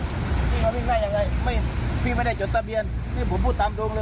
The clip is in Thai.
พี่มาวิ่งได้ยังไงไม่พี่ไม่ได้จดทะเบียนนี่ผมพูดตามตรงเลย